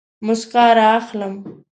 موسکا رااخلم